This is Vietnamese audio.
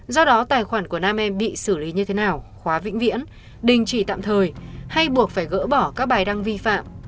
do đó tài khoản của nam em bị xử lý như thế nào khóa vĩnh viễn đình chỉ tạm thời hay buộc phải gỡ bỏ các bài đăng vi phạm